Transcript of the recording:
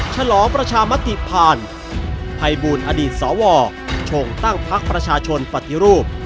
ฉลองประชามติผ่านภัยบูลอดีตสวชงตั้งพักประชาชนปฏิรูป